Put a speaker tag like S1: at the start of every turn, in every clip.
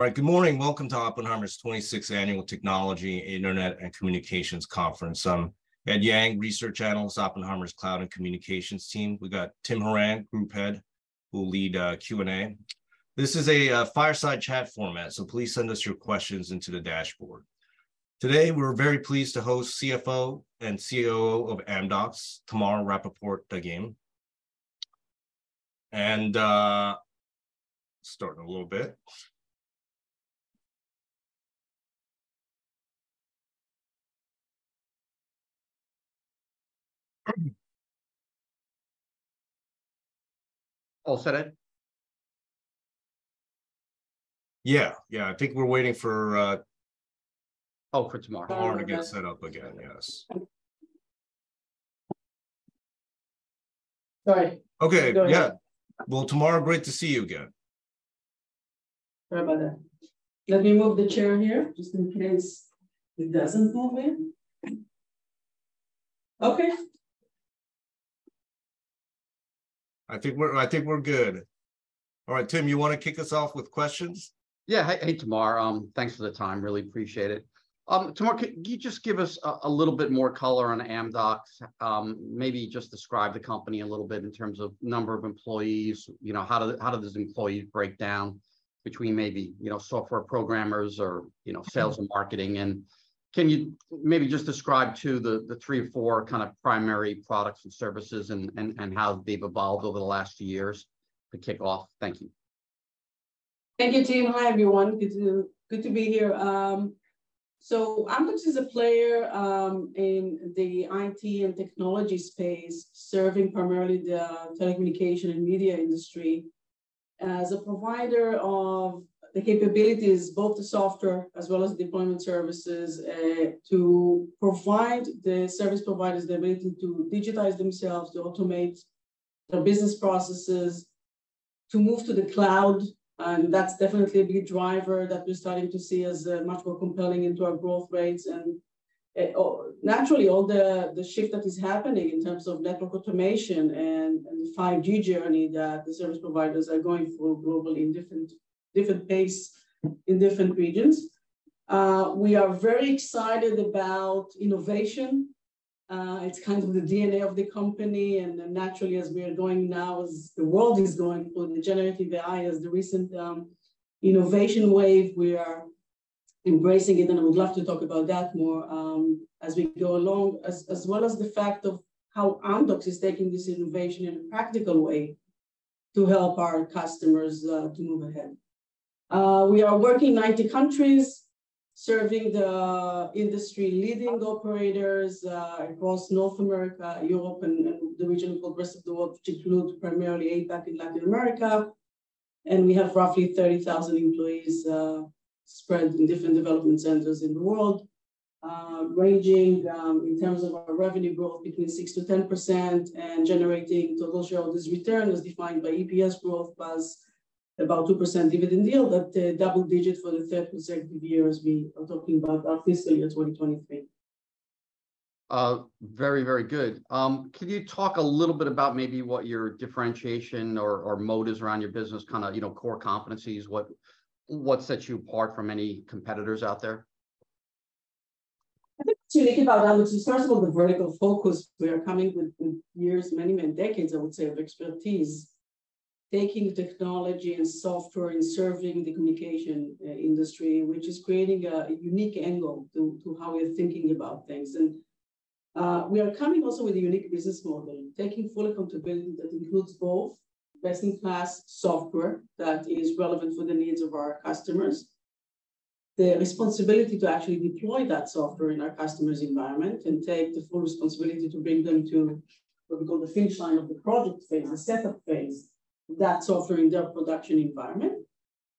S1: All right, good morning. Welcome to Oppenheimer's 26th Annual Technology, Internet & Communications Conference. I'm Edward Yang, research analyst, Oppenheimer's Cloud and Communications team. We got Timothy Horan, group head, who will lead Q&A. This is a fireside chat format, so please send us your questions into the dashboard. Today, we're very pleased to host CFO and COO of Amdocs, Tamar Rapaport-Dagim. Starting a little bit.
S2: All set, Ed?
S1: Yeah. Yeah, I think we're waiting for.
S2: Oh, for Tamar.
S1: Tamar to get set up again, yes.
S3: Sorry.
S1: Okay. Yeah.
S3: How you doing?
S1: Well, Tamar, great to see you again.
S3: Sorry about that. Let me move the chair here, just in case it doesn't move me. Okay.
S1: I think we're, I think we're good. All right, Tim, you wanna kick us off with questions?
S2: Yeah. Hey, Tamar, thanks for the time. Really appreciate it. Tamar, can you just give us a little bit more color on Amdocs? Maybe just describe the company a little bit in terms of number of employees, you know, how do, how do these employees break down between maybe, you know, software programmers or, you know, sales and marketing? Can you maybe just describe, too, the 3 or 4 kind of primary products and services and, and, and how they've evolved over the last years to kick off? Thank you.
S3: Thank you, Tim. Hi, everyone. Good to, good to be here. Amdocs is a player in the IT and technology space, serving primarily the telecommunication and media industry as a provider of the capabilities, both the software as well as deployment services, to provide the service providers the ability to digitize themselves, to automate their business processes, to move to the cloud. That's definitely a big driver that we're starting to see as much more compelling into our growth rates. Oh, naturally, all the, the shift that is happening in terms of network automation and, and the 5G journey that the service providers are going through globally in different, different pace in different regions. We are very excited about innovation. It's kind of the DNA of the company, and then naturally, as we are going now, as the world is going on the generative AI, as the recent innovation wave, we are embracing it, and I would love to talk about that more, as we go along, as, as well as the fact of how Amdocs is taking this innovation in a practical way to help our customers to move ahead. We are working in 90 countries, serving the industry-leading operators across North America, Europe, and, and the region called rest of the world, which include primarily APAC and Latin America. We have roughly 30,000 employees spread in different development centers in the world. Ranging, in terms of our revenue growth, between 6%-10%, and generating total shareholders' return, as defined by EPS growth, plus about 2% dividend yield, at double-digit for the third consecutive year, as we are talking about our fiscal year 2023.
S2: Very, very good. Could you talk a little bit about maybe what your differentiation or moats around your business, kinda, you know, core competencies? What sets you apart from any competitors out there?
S3: I think to think about Amdocs, it starts with the vertical focus. We are coming with, with years, many, many decades, I would say, of expertise, taking technology and software and serving the communication industry, which is creating a, a unique angle to, to how we're thinking about things. We are coming also with a unique business model, taking full accountability that includes both best-in-class software that is relevant for the needs of our customers, the responsibility to actually deploy that software in our customer's environment, and take the full responsibility to bring them to what we call the finish line of the project phase, the setup phase, that software in their production environment.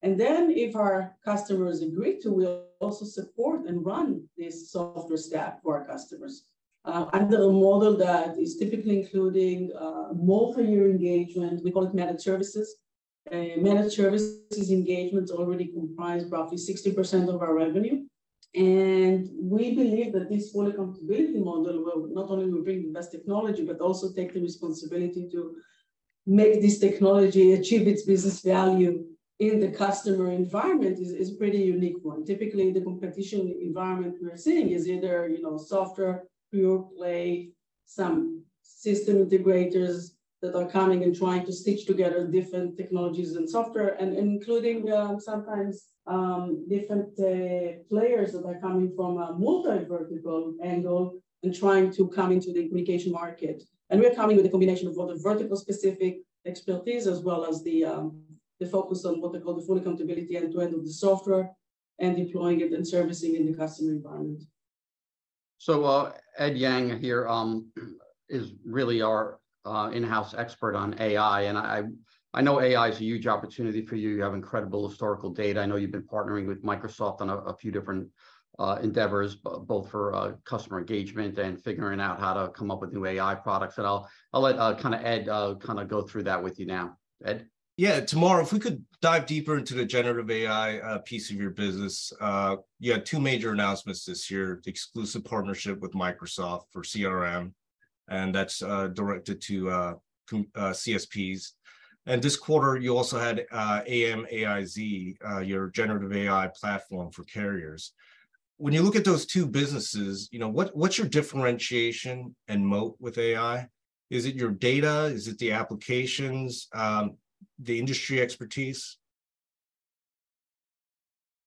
S3: If our customers agree to, we'll also support and run this software stack for our customers. Under a model that is typically including multi-year engagement, we call it managed services. Managed services engagements already comprise roughly 60% of our revenue, and we believe that this full accountability model will not only will bring the best technology, but also take the responsibility to make this technology achieve its business value in the customer environment is, is pretty unique one. Typically, the competition environment we're seeing is either, you know, software pure play, some system integrators that are coming and trying to stitch together different technologies and software, and including sometimes different players that are coming from a multi-vertical angle and trying to come into the communication market. We're coming with a combination of both the vertical-specific expertise, as well as the focus on what we call the full accountability, end-to-end of the software, and deploying it and servicing in the customer environment.
S2: Edward Yang here is really our in-house expert on AI, and I, I know AI is a huge opportunity for you. You have incredible historical data. I know you've been partnering with Microsoft on a few different endeavors, both for customer engagement and figuring out how to come up with new AI products, and I'll, I'll let kinda Ed kinda go through that with you now. Ed?
S1: Yeah, Tamar, if we could dive deeper into the generative AI piece of your business. You had 2 major announcements this year, the exclusive partnership with Microsoft for CRM and that's directed to CSPs. This quarter, you also had amAIz, your generative AI platform for carriers. When you look at those 2 businesses, you know, what, what's your differentiation and moat with AI? Is it your data? Is it the applications, the industry expertise?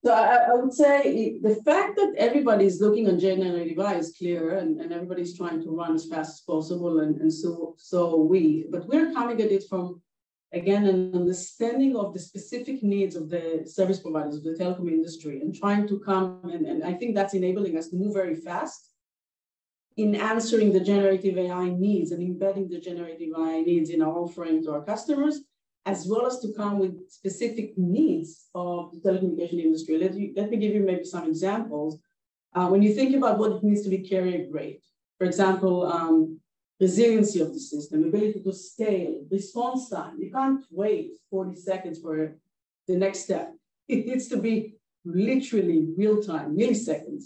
S3: I, I, I would say the fact that everybody's looking on generative AI is clear, and everybody's trying to run as fast as possible, and so, so are we. We're coming at it from, again, an understanding of the specific needs of the service providers, of the telecom industry, and trying to come. I think that's enabling us to move very fast in answering the generative AI needs and embedding the generative AI needs in our offering to our customers, as well as to come with specific needs of the telecommunication industry. Let me, let me give you maybe some examples. When you think about what it means to be carrier grade, for example, resiliency of the system, ability to scale, response time, you can't wait 40 seconds for the next step. It needs to be literally real time, milliseconds.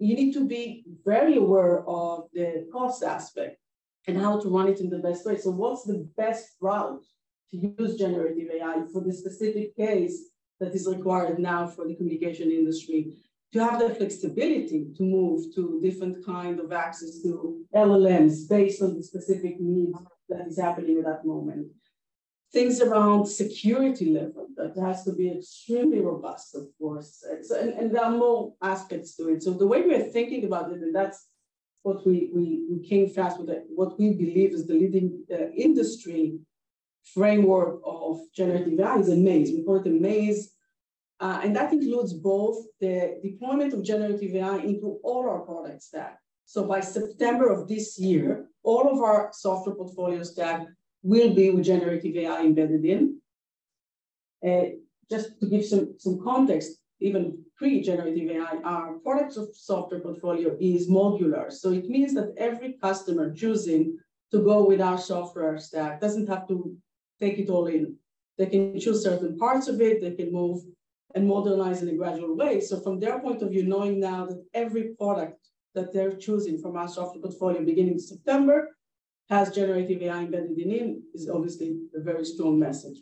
S3: You need to be very aware of the cost aspect and how to run it in the best way. What's the best route to use generative AI for the specific case that is required now for the communication industry? To have the flexibility to move to different kind of access, to LLMs based on the specific needs that is happening at that moment. Things around security level, that has to be extremely robust, of course. There are more aspects to it. The way we are thinking about it, and that's what we, we, we came fast with it, what we believe is the leading industry framework of generative values in amAIz. We call it the amAIz, and that includes both the deployment of generative AI into all our product stack. By September of this year, all of our software portfolio stack will be with generative AI embedded in. Just to give some context, even pre-generative AI, our products of software portfolio is modular. It means that every customer choosing to go with our software stack doesn't have to take it all in. They can choose certain parts of it, they can move and modernize in a gradual way. From their point of view, knowing now that every product that they're choosing from our software portfolio, beginning of September, has generative AI embedded in it, is obviously a very strong message.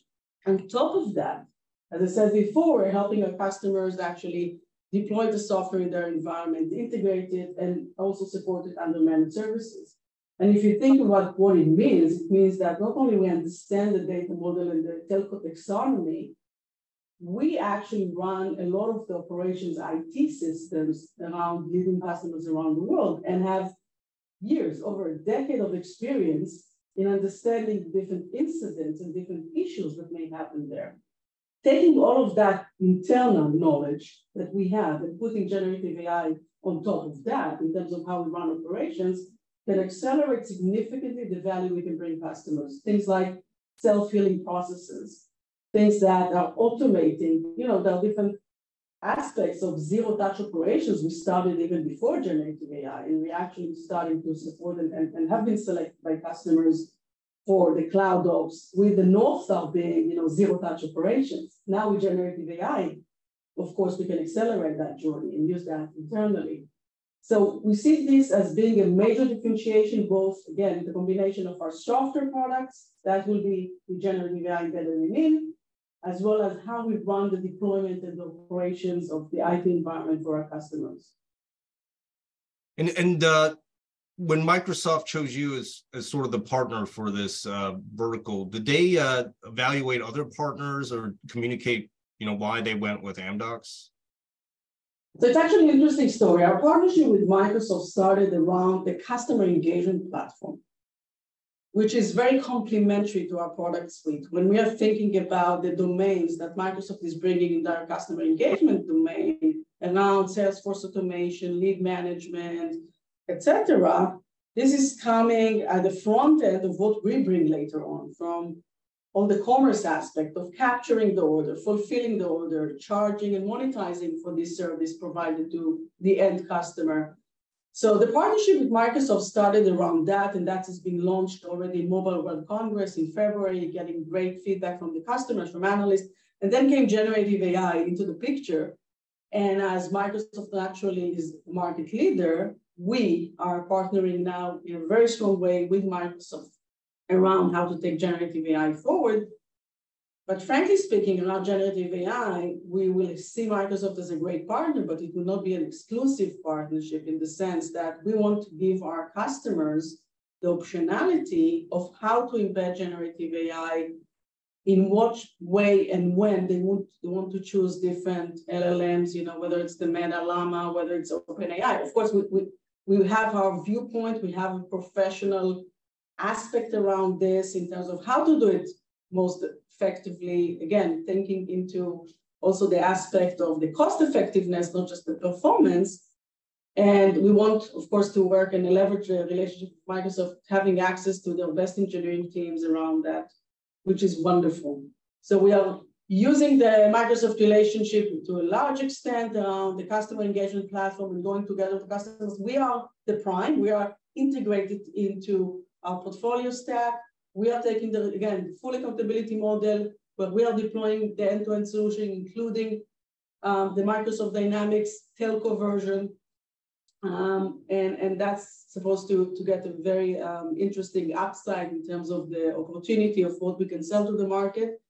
S3: On top of that, as I said before, helping our customers actually deploy the software in their environment, integrate it, and also support it under managed services. If you think about what it means, it means that not only we understand the data model and the telco taxonomy, we actually run a lot of the operations IT systems around leading customers around the world, and have years, over a decade of experience in understanding different incidents and different issues that may happen there. Taking all of that internal knowledge that we have and putting generative AI on top of that, in terms of how we run operations, can accelerate significantly the value we can bring customers. Things like self-healing processes, things that are automating, you know, there are different aspects of zero-touch operations we started even before generative AI, and we actually started to support and have been selected by customers for the CloudOps, with the north star being, you know, zero-touch operations. With generative AI, of course, we can accelerate that journey and use that internally. We see this as being a major differentiation, both, again, the combination of our software products that will be with generative AI embedded in it, as well as how we run the deployment and the operations of the IT environment for our customers.
S1: And, when Microsoft chose you as, as sort of the partner for this, vertical, did they, evaluate other partners or communicate, you know, why they went with Amdocs?
S3: It's actually an interesting story. Our partnership with Microsoft started around the Customer Engagement Platform, which is very complementary to our product suite. When we are thinking about the domains that Microsoft is bringing in their customer engagement domain, around sales force automation, lead management, et cetera, this is coming at the front end of what we bring later on, from on the commerce aspect of capturing the order, fulfilling the order, charging and monetizing for this service provided to the end customer. The partnership with Microsoft started around that, and that has been launched already in Mobile World Congress in February, getting great feedback from the customers, from analysts. Then came generative AI into the picture, and as Microsoft naturally is the market leader, we are partnering now in a very strong way with Microsoft around how to take generative AI forward. Frankly speaking, around generative AI, we will see Microsoft as a great partner, but it will not be an exclusive partnership in the sense that we want to give our customers the optionality of how to embed generative AI, in which way and when they want. They want to choose different LLMs, you know, whether it's the Meta Llama, whether it's OpenAI. Of course, we, we, we have our viewpoint, we have a professional aspect around this in terms of how to do it most effectively. Again, thinking into also the aspect of the cost effectiveness, not just the performance. We want, of course, to work and leverage the relationship with Microsoft, having access to their best engineering teams around that, which is wonderful. We are using the Microsoft relationship to a large extent around the Customer Engagement Platform and going together to customers. We are the prime, we are integrated into our portfolio stack. We are taking the, again, full accountability model, but we are deploying the end-to-end solution, including, the Microsoft Dynamics telco version. That's supposed to get a very interesting upside in terms of the opportunity of what we can sell to the market.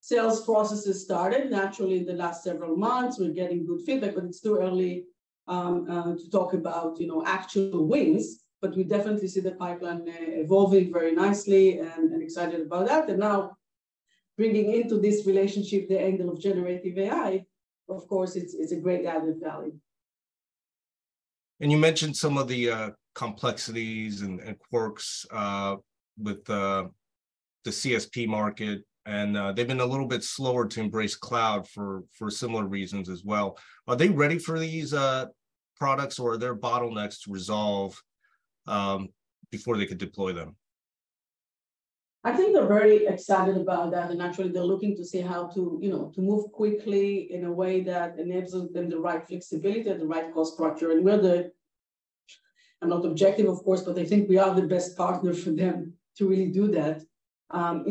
S3: Sales processes started naturally in the last several months. We're getting good feedback, but it's still early to talk about, you know, actual wins. We definitely see the pipeline evolving very nicely and excited about that. Now, bringing into this relationship the angle of generative AI, of course, it's a great added value.
S1: You mentioned some of the complexities and, and quirks with the CSP market, and they've been a little bit slower to embrace cloud for, for similar reasons as well. Are they ready for these products, or are there bottlenecks to resolve before they could deploy them?
S3: I think they're very excited about that, and actually they're looking to see how to, you know, to move quickly in a way that enables them the right flexibility at the right cost structure. We're the. I'm not objective, of course, but I think we are the best partner for them to really do that.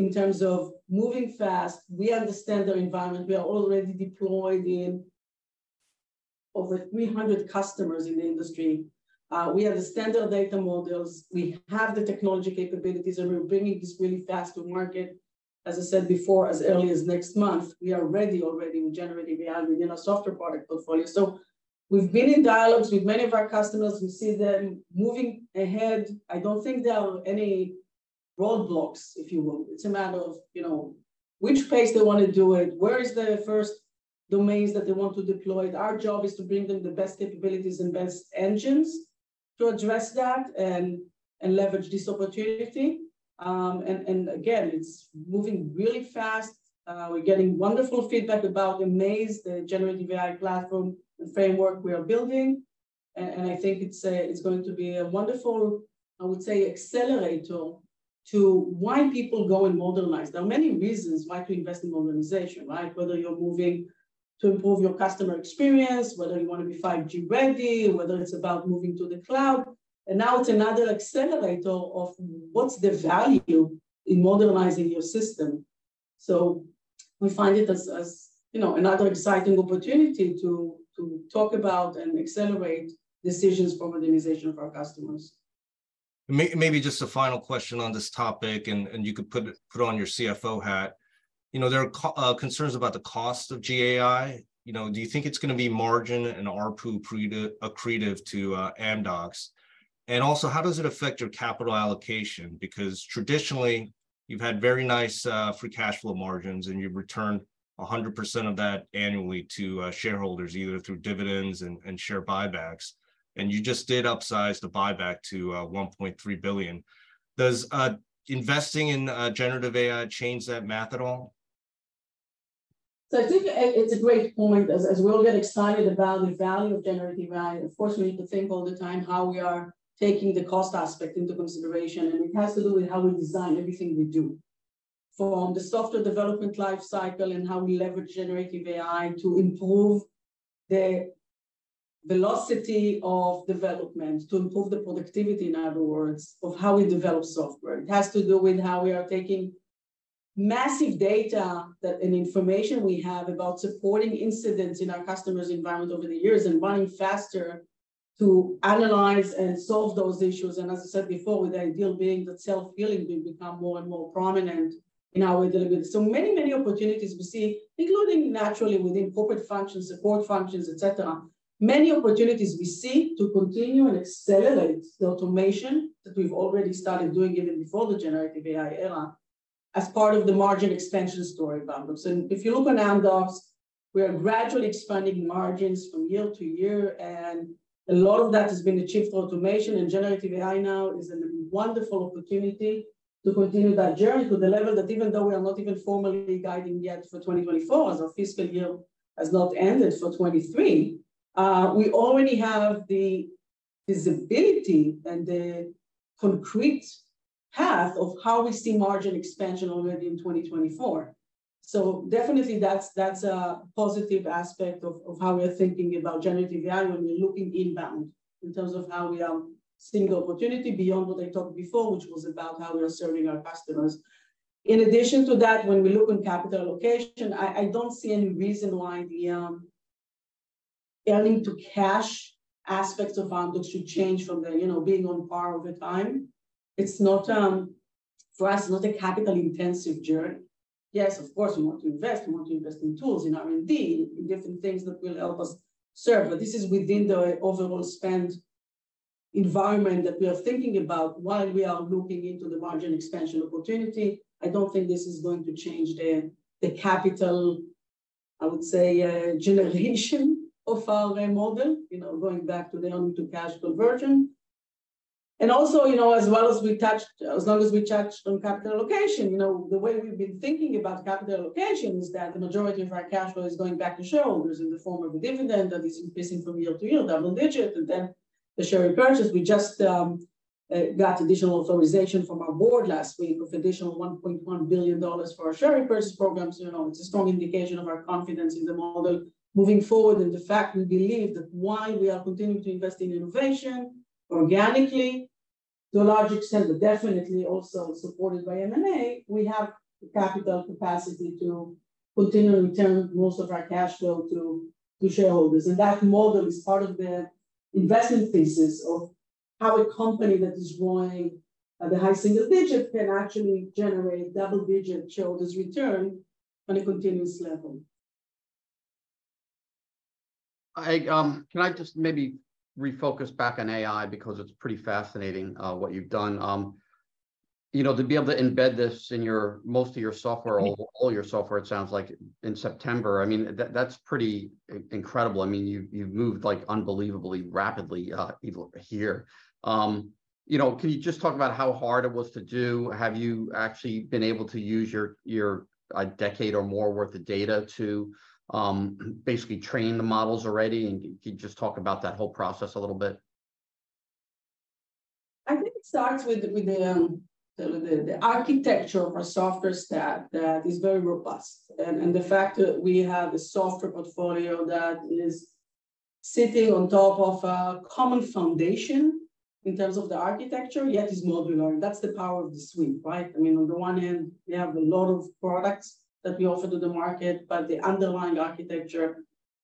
S3: In terms of moving fast, we understand their environment. We are already deployed in over 300 customers in the industry. We have the standard data models, we have the technology capabilities, and we're bringing this really fast to market. As I said before, as early as next month, we are ready already with generative AI within our software product portfolio. We've been in dialogues with many of our customers. We see them moving ahead. I don't think there are any roadblocks, if you will. It's a matter of, you know, which pace they want to do it, where is the first domains that they want to deploy it. Our job is to bring them the best capabilities and best engines to address that and leverage this opportunity. Again, it's moving really fast. We're getting wonderful feedback about amAIz, the generative AI platform and framework we are building. I think it's going to be a wonderful, I would say, accelerator to why people go and modernize. There are many reasons why to invest in modernization, right? Whether you're moving to improve your customer experience, whether you want to be 5G ready, or whether it's about moving to the cloud. Now it's another accelerator of what's the value in modernizing your system. We find it as, you know, another exciting opportunity to talk about and accelerate decisions for modernization of our customers.
S1: Maybe just a final question on this topic, and you could put it, put on your CFO hat. You know, there are concerns about the cost of GenAI. You know, do you think it's gonna be margin and ARPU accretive to Amdocs? Also, how does it affect your capital allocation? Because traditionally, you've had very nice free cash flow margins, and you've returned 100% of that annually to shareholders, either through dividends and share buybacks, and you just did upsize the buyback to $1.3 billion. Does investing in generative AI change that math at all?
S3: I think it, it's a great point, as, as we all get excited about the value of generative AI, of course, we need to think all the time how we are taking the cost aspect into consideration. It has to do with how we design everything we do. From the software development life cycle, and how we leverage generative AI to improve the velocity of development, to improve the productivity, in other words, of how we develop software. It has to do with how we are taking massive data and information we have about supporting incidents in our customers' environment over the years, and running faster to analyze and solve those issues. As I said before, with the ideal being that self-healing will become more and more prominent in our delivery. Many, many opportunities we see, including naturally within corporate functions, support functions, et cetera. Many opportunities we see to continue and accelerate the automation that we've already started doing even before the generative AI era, as part of the margin expansion story, you see. If you look on Amdocs, we are gradually expanding margins from year to year, and a lot of that has been achieved through automation. Generative AI now is a wonderful opportunity to continue that journey to the level that even though we are not even formally guiding yet for 2024, as our fiscal year has not ended for 2023, we already have the visibility and the concrete path of how we see margin expansion already in 2024. Definitely that's, that's a positive aspect of, of how we are thinking about generative value when we're looking inbound, in terms of how we are seeing the opportunity beyond what I talked before, which was about how we are serving our customers. In addition to that, when we look on capital allocation, I, I don't see any reason why the earning to cash aspects of Amdocs should change from the, you know, being on par over time. It's not for us, not a capital-intensive journey. Of course, we want to invest, we want to invest in tools, in R&D, in different things that will help us serve. This is within the overall spend environment that we are thinking about while we are looking into the margin expansion opportunity. I don't think this is going to change the, the capital, I would say, generation of our model, you know, going back to the earning to cash conversion. Also, you know, as well as we touched, as long as we touched on capital allocation, you know, the way we've been thinking about capital allocation is that the majority of our cash flow is going back to shareholders in the form of a dividend that is increasing from year to year, double digit, and then the share repurchase. We just got additional authorization from our board last week of additional $1.1 billion for our share repurchase program. You know, it's a strong indication of our confidence in the model moving forward, and the fact we believe that while we are continuing to invest in innovation organically. to a large extent, but definitely also supported by M&A, we have the capital capacity to continue to return most of our cash flow to, to shareholders. That model is part of the investment thesis of how a company that is growing at a high single digit can actually generate double-digit shareholders' return on a continuous level.
S2: I, can I just maybe refocus back on AI? Because it's pretty fascinating, what you've done. You know, to be able to embed this in your, most of your software or all your software, it sounds like in September, I mean, that, that's pretty incredible. I mean, you, you've moved like unbelievably rapidly, here. You know, can you just talk about how hard it was to do? Have you actually been able to use your, your, a decade or more worth of data to, basically train the models already? Can you just talk about that whole process a little bit?
S3: I think it starts with, with the, the, the, the architecture of our software stack that is very robust, and, and the fact that we have a software portfolio that is sitting on top of a common foundation in terms of the architecture, yet is modular. That's the power of the suite, right? I mean, on the one hand, we have a lot of products that we offer to the market, but the underlying architecture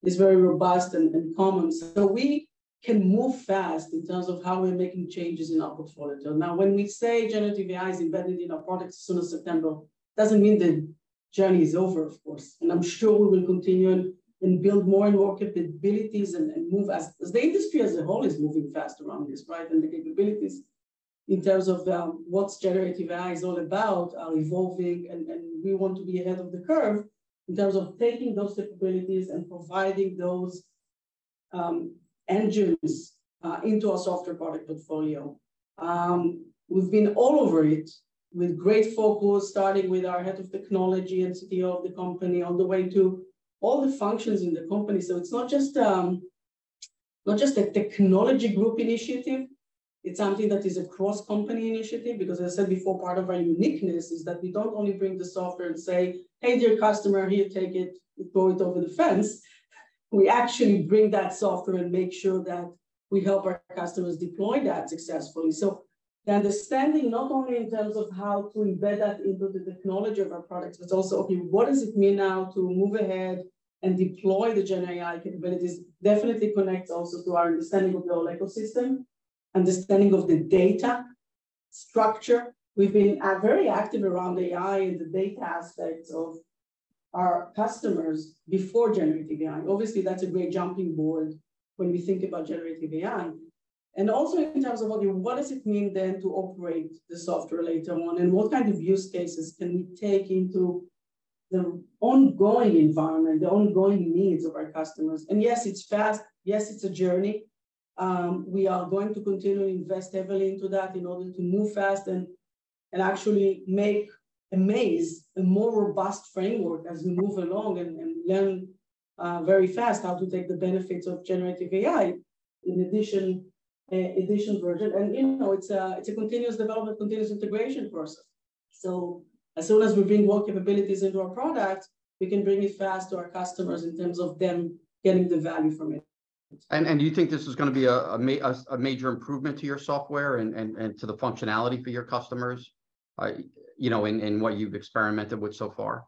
S3: is very robust and, and common. We can move fast in terms of how we're making changes in our portfolio. When we say generative AI is embedded in our products as soon as September, doesn't mean the journey is over, of course, and I'm sure we will continue and, and build more and more capabilities and, and move as, as the industry as a whole is moving fast around this, right? The capabilities in terms of, what's generative AI is all about are evolving, and, and we want to be ahead of the curve in terms of taking those capabilities and providing those, engines, into our software product portfolio. We've been all over it with great focus, starting with our head of technology and CTO of the company, all the way to all the functions in the company. It's not just, not just a technology group initiative, it's something that is a cross-company initiative. As I said before, part of our uniqueness is that we don't only bring the software and say, "Hey dear customer, here, take it," and throw it over the fence. We actually bring that software and make sure that we help our customers deploy that successfully. The understanding, not only in terms of how to embed that into the technology of our products, but also, okay, what does it mean now to move ahead and deploy the gen AI capabilities? Definitely connects also to our understanding of the whole ecosystem, understanding of the data structure. We've been very active around AI and the data aspects of our customers before generative AI. Obviously, that's a great jumping board when we think about generative AI, and also in terms of, okay, what does it mean then to operate the software later on, and what kind of use cases can we take into the ongoing environment, the ongoing needs of our customers? Yes, it's fast. Yes, it's a journey. We are going to continue to invest heavily into that in order to move fast and, and actually make amAIz a more robust framework as we move along and, and learn very fast how to take the benefits of generative AI. In addition, you know, it's a, it's a continuous development, continuous integration process. As soon as we bring more capabilities into our product, we can bring it fast to our customers in terms of them getting the value from it.
S2: Do you think this is gonna be a major improvement to your software and to the functionality for your customers, you know, in what you've experimented with so far?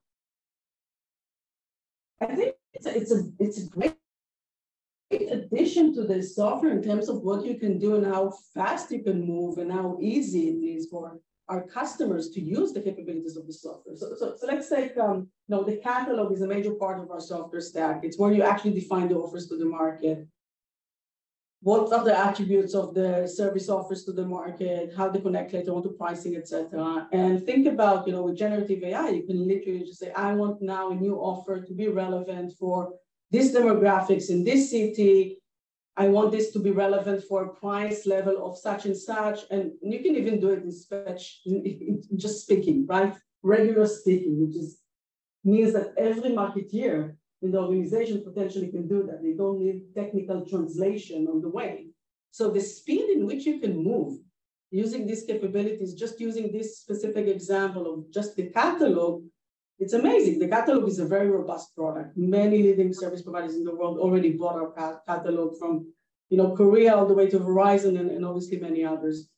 S3: I think it's a, it's a, it's a great addition to the software in terms of what you can do and how fast you can move, and how easy it is for our customers to use the capabilities of the software. So, so let's say, you know, the catalog is a major part of our software stack. It's where you actually define the offers to the market. What are the attributes of the service offers to the market, how they connect later on to pricing, et cetera. Think about, you know, with generative AI, you can literally just say, "I want now a new offer to be relevant for this demographics in this city. I want this to be relevant for a price level of such and such." You can even do it in speech, in, in just speaking, right? Regular speaking, which is means that every marketer in the organization potentially can do that. They don't need technical translation on the way. The speed in which you can move using these capabilities, just using this specific example of just the catalog, it's amazing. The catalog is a very robust product. Many leading service providers in the world already bought our catalog from, you know, Korea, all the way to Verizon, and obviously many others.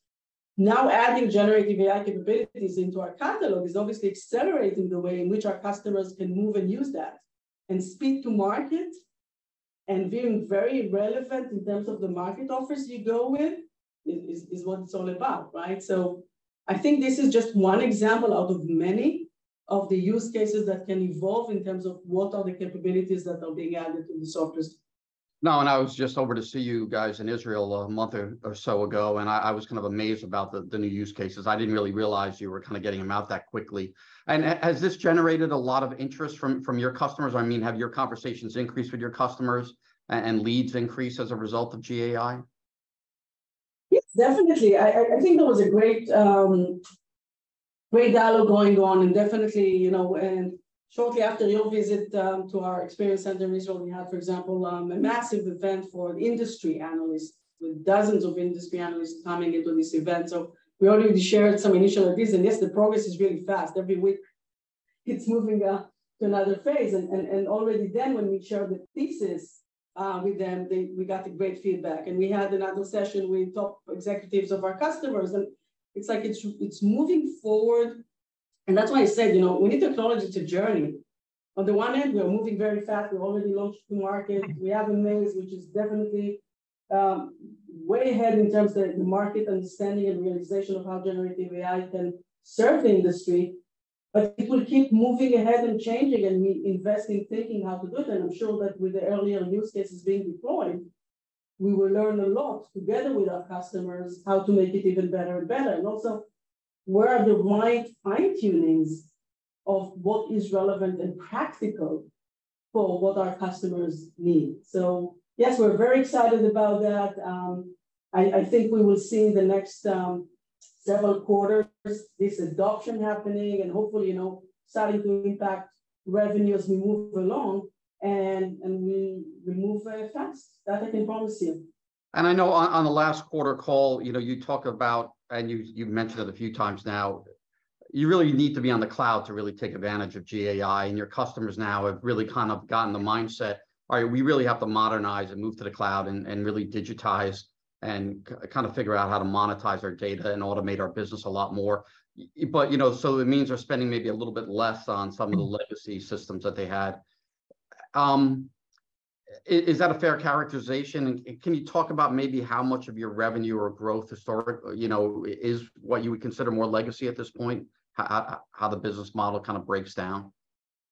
S3: Now, adding generative AI capabilities into our catalog is obviously accelerating the way in which our customers can move and use that. Speed to market, and being very relevant in terms of the market offers you go with, is what it's all about, right? I think this is just one example out of many of the use cases that can evolve in terms of what are the capabilities that are being added to the softwares.
S2: I was just over to see you guys in Israel a month or so ago, and I was kind of amazed about the new use cases. I didn't really realize you were kind of getting them out that quickly. Has this generated a lot of interest from your customers? I mean, have your conversations increased with your customers and leads increased as a result of GenAI?
S3: Yes, definitely. I think there was a great, great dialogue going on and definitely, you know. Shortly after your visit to our experience center in Israel, we had, for example, a massive event for industry analysts, with dozens of industry analysts coming into this event. We already shared some initial ideas, and yes, the progress is really fast. Every week it's moving to another phase. Already then, when we shared the thesis with them, we got a great feedback. We had another session with top executives of our customers, and it's like it's, it's moving forward. That's why I said, you know, we need technology to journey. On the one hand, we are moving very fast. We've already launched the market. We have amAIz, which is definitely way ahead in terms of the market understanding and realization of how generative AI can serve the industry. It will keep moving ahead and changing, and we invest in thinking how to do it. I'm sure that with the earlier use cases being deployed, we will learn a lot together with our customers, how to make it even better and better. Also, where are the right fine-tunings of what is relevant and practical for what our customers need? Yes, we're very excited about that. I, I think we will see in the next several quarters, this adoption happening, and hopefully, you know, starting to impact revenue as we move along and, and we move very fast. That I can promise you.
S2: I know on, on the last quarter call, you know, you talk about, and you, you've mentioned it a few times now, you really need to be on the cloud to really take advantage of GenAI, and your customers now have really kind of gotten the mindset, 'All right, we really have to modernize and move to the cloud, and, and really digitize and kind of figure out how to monetize our data and automate our business a lot more.' You know, so it means they're spending maybe a little bit less on some of the legacy systems that they had. Is that a fair characterization? Can you talk about maybe how much of your revenue or growth historic, you know, is what you would consider more legacy at this point, how the business model kind of breaks down,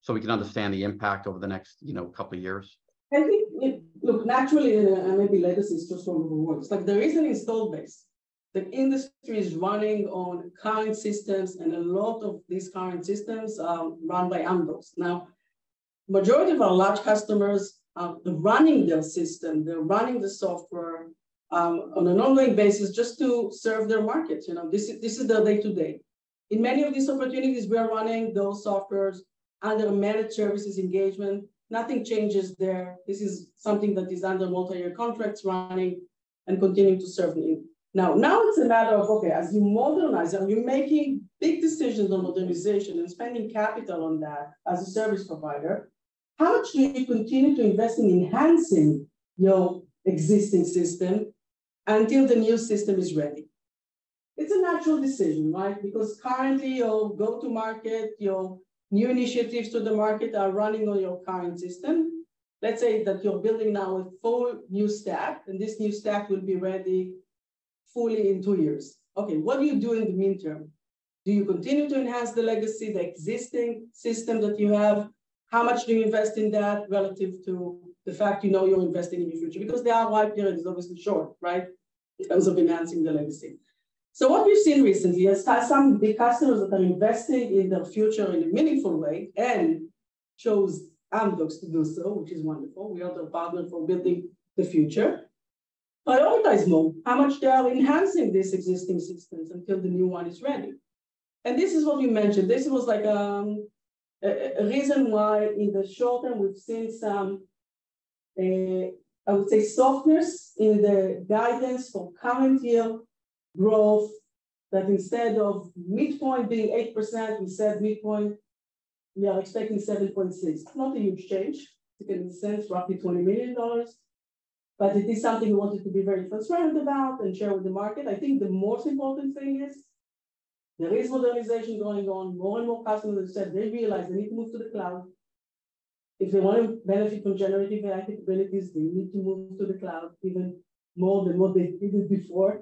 S2: so we can understand the impact over the next, you know, couple of years?
S3: I think it, look, naturally, maybe legacy is just one of the words. Like, there is an install base. The industry is running on current systems, and a lot of these current systems are run by Amdocs. Majority of our large customers are running their system, they're running the software, on an ongoing basis just to serve their markets. You know, this is, this is their day-to-day. In many of these opportunities, we are running those softwares under a managed services engagement. Nothing changes there. This is something that is under multi-year contracts, running and continuing to serve the need. Now, it's a matter of, okay, as you modernize and you're making big decisions on modernization and spending capital on that as a service provider, how much do you continue to invest in enhancing your existing system until the new system is ready? It's a natural decision, right? Currently, your go-to-market, your new initiatives to the market are running on your current system. Let's say that you're building now a full new stack, and this new stack will be ready fully in two years. Okay, what do you do in the midterm? Do you continue to enhance the legacy, the existing system that you have? How much do you invest in that relative to the fact you know you're investing in your future? There are wide periods, obviously short, right, in terms of enhancing the legacy. What we've seen recently is some big customers that are investing in their future in a meaningful way and chose Amdocs to do so, which is wonderful. We are the partner for building the future, prioritize more, how much they are enhancing this existing systems until the new one is ready. This is what you mentioned. This was like a reason why in the short term, we've seen some, I would say, softness in the guidance for current year growth, that instead of midpoint being 8%, we said midpoint, we are expecting 7.6%. It's not a huge change. You can sense roughly $20 million, but it is something we wanted to be very transparent about and share with the market. The most important thing is there is modernization going on. More and more customers said they realize they need to move to the cloud. If they want to benefit from generative AI capabilities, they need to move to the cloud even more than what they did it before.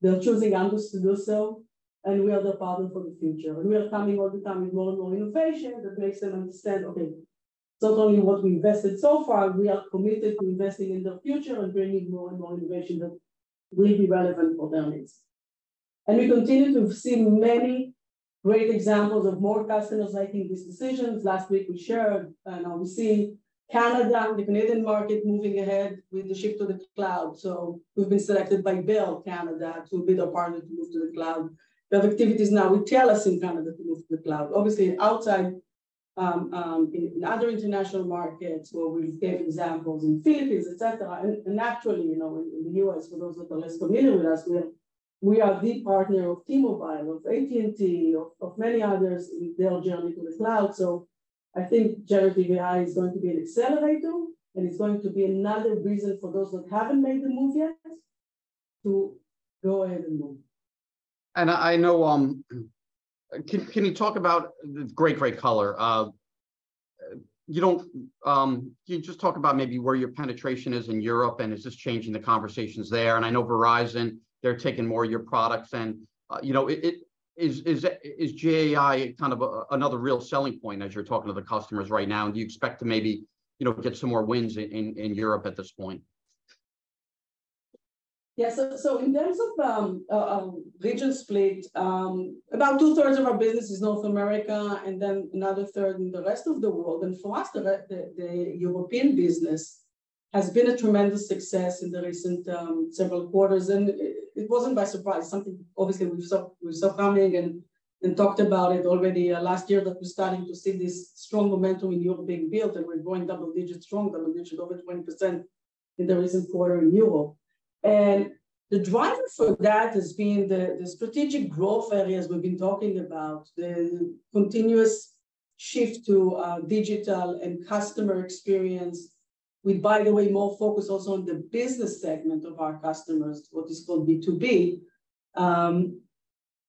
S3: They're choosing Amdocs to do so, and we are the partner for the future, and we are coming all the time with more and more innovation. That makes them understand, okay, not only what we invested so far, we are committed to investing in the future and bringing more and more innovation that will be relevant for their needs. We continue to see many great examples of more customers making these decisions. Last week, we shared, and, we see Canada, the Canadian market, moving ahead with the shift to the cloud. We've been selected by Bell Canada to be their partner to move to the cloud. We have activities now with Telus in Canada to move to the cloud. Obviously, outside, in, in other international markets, where we've gave examples in Philippines, et cetera, and actually, you know, in, in the U.S., for those that are less familiar with us, we are, we are the partner of T-Mobile, of AT&T, of, of many others in their journey to the cloud. I think generative AI is going to be an accelerator, and it's going to be another reason for those that haven't made the move yet to go ahead and move.
S2: I, I know. Can you talk about the great, great color? You don't. Can you just talk about maybe where your penetration is in Europe, and is this changing the conversations there? I know Verizon, they're taking more of your products, and, you know, it, it, is, is, is GenAI kind of a, another real selling point as you're talking to the customers right now? Do you expect to maybe, you know, get some more wins in Europe at this point?
S3: In terms of region split, about two-thirds of our business is North America, then another third in the rest of the world. For us, the European business has been a tremendous success in the recent several quarters, and it wasn't by surprise. Something, obviously, we saw coming and talked about it already last year, that we're starting to see this strong momentum in Europe being built, and we're growing double-digit, strong double-digit, over 20% in the recent quarter in Europe. The driver for that has been the strategic growth areas we've been talking about, the continuous shift to digital and customer experience. We, by the way, more focused also on the business segment of our customers, what is called B2B.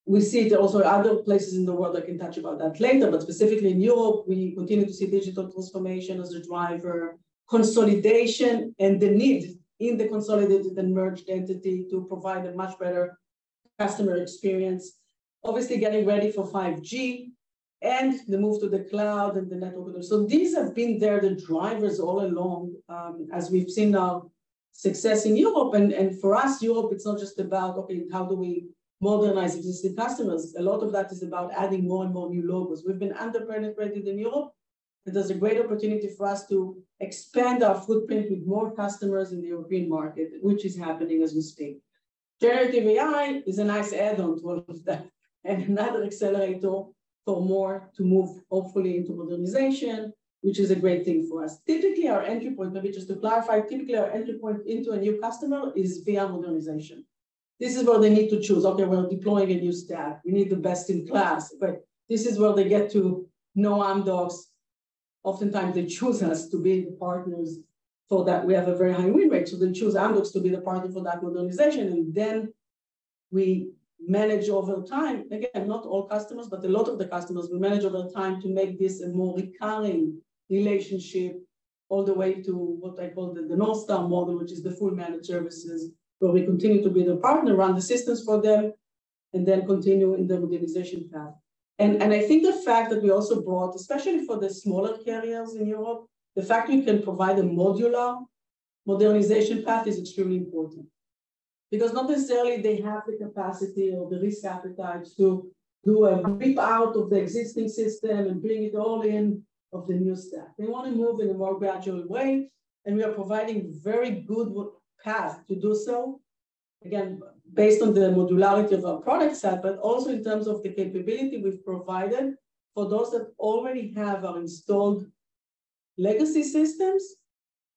S3: We see it also in other places in the world, I can touch about that later, but specifically in Europe, we continue to see digital transformation as a driver, consolidation, and the need in the consolidated and merged entity to provide a much better customer experience. Obviously, getting ready for 5G and the move to the cloud and the network. So these have been there, the drivers all along, as we've seen now, success in Europe, and for us, Europe, it's not just about, okay, how do we modernize existing customers? A lot of that is about adding more and more new logos. We've been under-penetrated in Europe, it is a great opportunity for us to expand our footprint with more customers in the European market, which is happening as we speak. Generative AI is a nice add-on to all of that, another accelerator for more to move hopefully into modernization, which is a great thing for us. Typically, our entry point, let me just to clarify, typically, our entry point into a new customer is via modernization. This is where they need to choose, "Okay, we're deploying a new stack. We need the best in class." This is where they get to know Amdocs. Oftentimes, they choose us to be the partners, so that we have a very high win rate. They choose Amdocs to be the partner for that modernization, and then we manage over time. Again, not all customers, but a lot of the customers, we manage over time to make this a more recurring relationship, all the way to what I call the, the North Star model, which is the full managed services, where we continue to be the partner, run the systems for them, and then continue in the modernization path. I think the fact that we also brought, especially for the smaller carriers in Europe, the fact we can provide a modular modernization path is extremely important. Because not necessarily they have the capacity or the risk appetite to do a rip-out of the existing system and bring it all in of the new stack. They want to move in a more gradual way, and we are providing very good path to do so. Again, based on the modularity of our product set, also in terms of the capability we've provided for those that already have our installed legacy systems,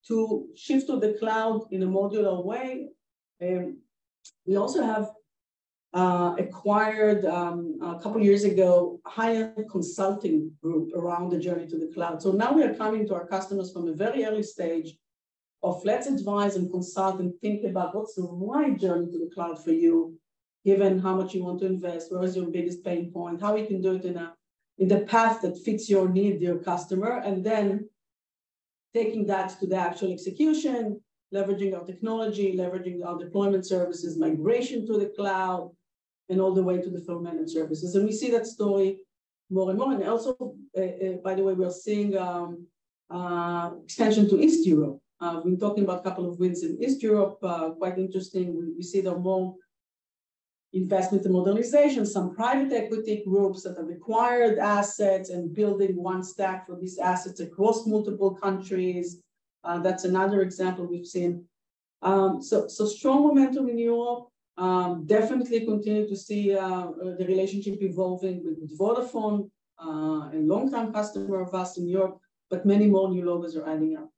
S3: to shift to the cloud in a modular way. We also have acquired a couple of years ago, high-end consulting group around the journey to the cloud. Now we are coming to our customers from a very early stage of let's advise and consult and think about what's the right journey to the cloud for you, given how much you want to invest, where is your biggest pain point, how we can do it in a, in a path that fits your need, dear customer. Then taking that to the actual execution, leveraging our technology, leveraging our deployment services, migration to the cloud, and all the way to the full managed services. We see that story more and more. Also, by the way, we are seeing extension to East Europe. We're talking about a couple of wins in East Europe, quite interesting. We see there more investment in modernization, some private equity groups that have acquired assets and building one stack for these assets across multiple countries. That's another example we've seen. So, strong momentum in Europe. Definitely continue to see the relationship evolving with Vodafone, a long-time customer of us in Europe, but many more new logos are adding up.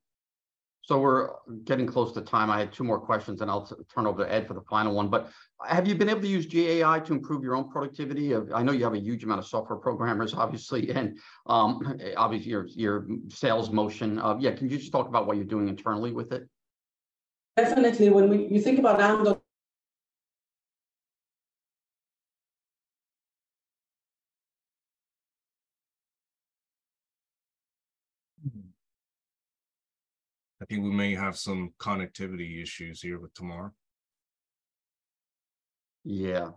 S2: We're getting close to time. I had two more questions, then I'll turn over to Ed for the final one. Have you been able to use GenAI to improve your own productivity? I know you have a huge amount of software programmers, obviously, and, obviously, your, your sales motion. Can you just talk about what you're doing internally with it?
S3: Definitely. When you think about Amdocs.
S4: I think we may have some connectivity issues here with Tamar.
S2: Yeah.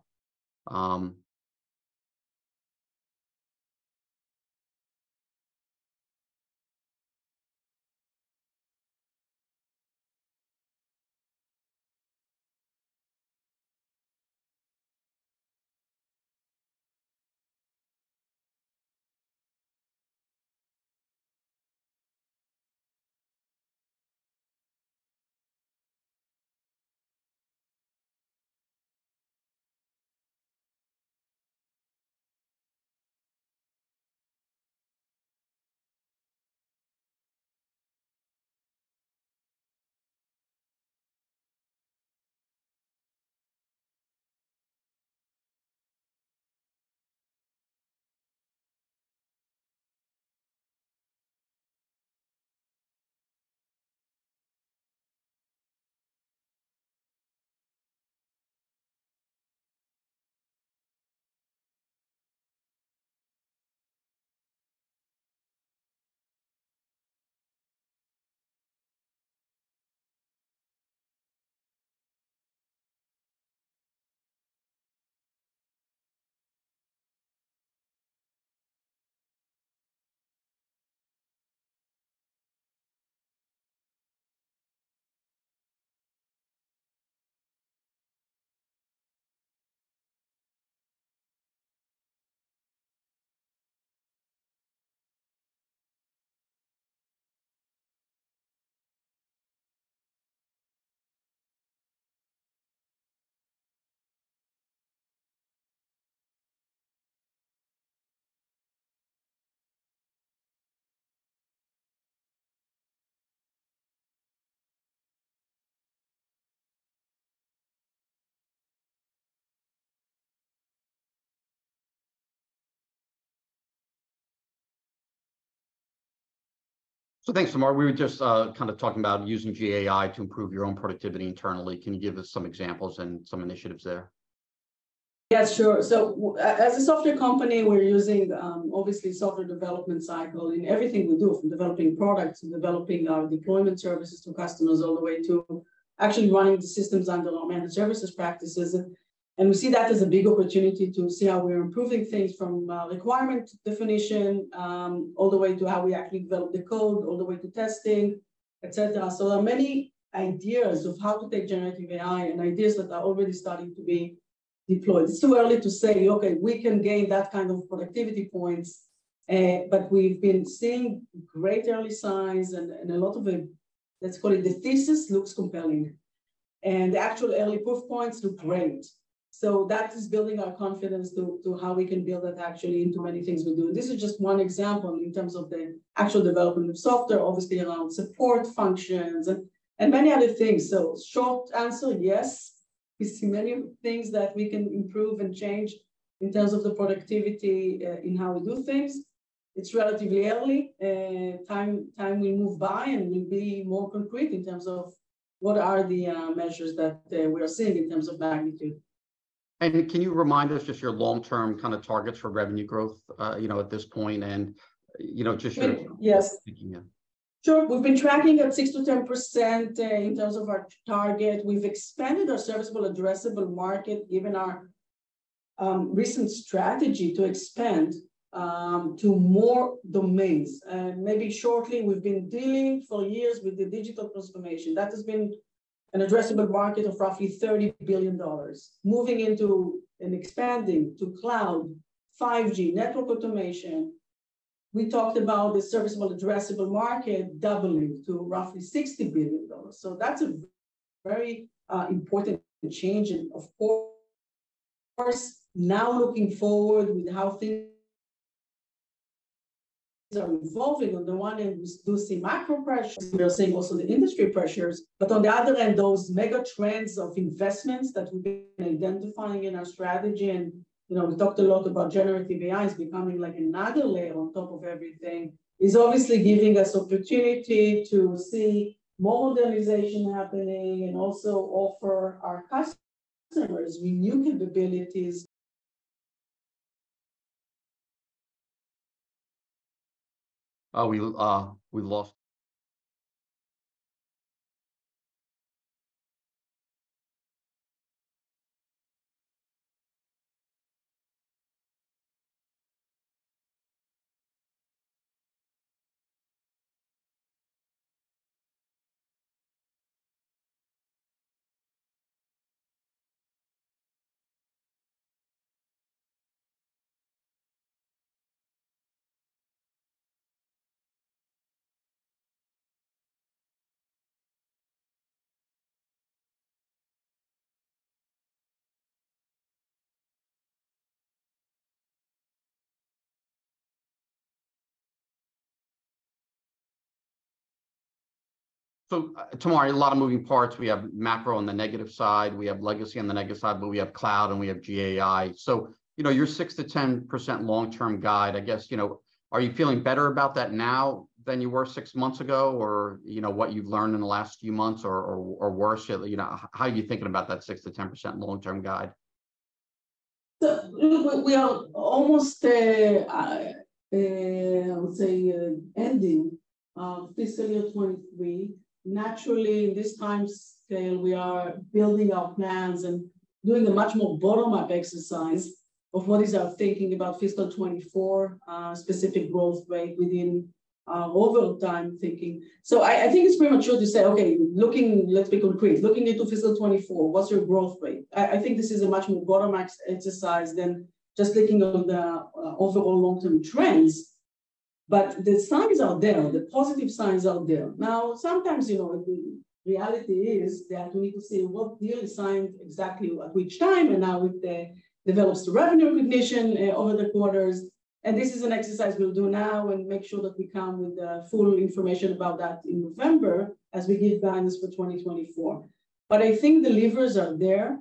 S2: Thanks, Tamar. We were just kind of talking about using GenAI to improve your own productivity internally. Can you give us some examples and some initiatives there?
S3: Yeah, sure. As a software company, we're using, obviously, software development cycle in everything we do, from developing products, and developing our deployment services to customers, all the way to actually running the systems under our managed services practices. We see that as a big opportunity to see how we are improving things from, requirement to definition, all the way to how we actually develop the code, all the way to testing, et cetera. There are many ideas of how to take generative AI, and ideas that are already starting to be deployed. It's too early to say, "Okay, we can gain that kind of productivity points." But we've been seeing great early signs and a lot of them, let's call it, the thesis looks compelling, and the actual early proof points look great. That is building our confidence to, to how we can build it actually into many things we do. This is just one example in terms of the actual development of software, obviously around support functions and, and many other things. Short answer, yes, we see many things that we can improve and change in terms of the productivity in how we do things. It's relatively early, time, time will move by, and we'll be more concrete in terms of what are the measures that we are seeing in terms of magnitude.
S2: can you remind us just your long-term kind of targets for revenue growth, you know, at this point, and, you know, just your.
S3: Yes.
S2: Thinking, yeah.
S3: Sure. We've been tracking at 6%-10% in terms of our target. We've expanded our serviceable addressable market, given our recent strategy to expand to more domains. Maybe shortly, we've been dealing for years with the digital transformation. That has been an addressable market of roughly $30 billion. Moving into and expanding to cloud, 5G, network automation, we talked about the serviceable addressable market doubling to roughly $60 billion. That's a very important change. Of course, now looking forward with how things are evolving, on the one hand, we do see macro pressures, we are seeing also the industry pressures, but on the other hand, those mega trends of investments that we've been identifying in our strategy and, you know, we talked a lot about generative AI is becoming like another layer on top of everything, is obviously giving us opportunity to see more modernization happening and also offer our customers new capabilities.
S2: Oh, we, Tamar, a lot of moving parts. We have macro on the negative side, we have legacy on the negative side, but we have cloud and we have GenAI. You know, your 6%-10% long-term guide, I guess, you know, are you feeling better about that now than you were 6 months ago, or, you know, what you've learned in the last few months or worse? You know, how are you thinking about that 6%-10% long-term guide?
S3: Look, we are almost ending fiscal year 2023. Naturally, in this time scale, we are building our plans and doing a much more bottom-up exercise of what is our thinking about fiscal 2024, specific growth rate within our overall time thinking. I, I think it's premature to say, "Okay, Let's be concrete. Looking into fiscal 2024, what's your growth rate?" I, I think this is a much more bottoms-up exercise than just looking on the overall long-term trends. The signs are there, the positive signs are there. Now, sometimes, you know, the reality is that we need to see what deal is signed, exactly at which time, and how it develops the revenue recognition over the quarters. This is an exercise we'll do now and make sure that we come with the full information about that in November as we give guidance for 2024. I think the levers are there.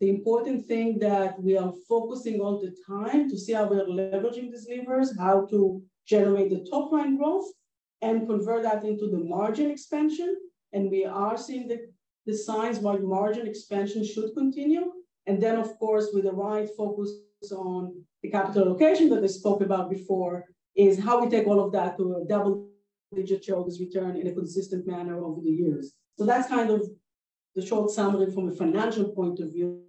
S3: The important thing that we are focusing all the time to see how we are leveraging these levers, how to generate the top-line growth and convert that into the margin expansion, and we are seeing the signs why margin expansion should continue. Then, of course, with the right focus on the capital allocation that I spoke about before, is how we take all of that to a double-digit shareholders' return in a consistent manner over the years. That's kind of the short summary from a financial point of view.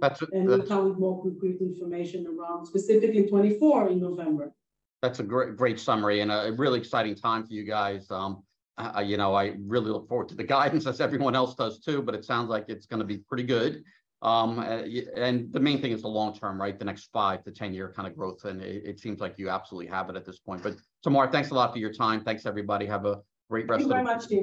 S2: That's.
S3: we'll have more concrete information around, specifically 2024, in November.
S2: That's a great, great summary, and a, a really exciting time for you guys. You know, I really look forward to the guidance, as everyone else does too, but it sounds like it's gonna be pretty good. Yeah, the main thing is the long term, right? The next five to 10-year kind of growth, and it, it seems like you absolutely have it at this point. Tamar, thanks a lot for your time. Thanks, everybody. Have a great rest of.
S3: Thank you very much, Tim.